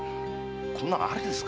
こんなのありですか？